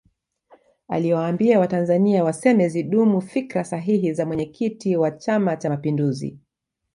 aliwaambia watanzania waseme zidumu fikra sahihi za mwenyekiti wa chama cha mapinduzi